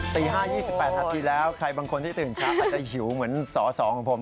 ตี๕๒๘นาทีแล้วใครบางคนที่ตื่นเช้าอาจจะหิวเหมือนส๒ของผม